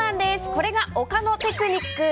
これが岡野テクニック。